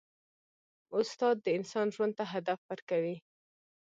استاد د انسان ژوند ته هدف ورکوي.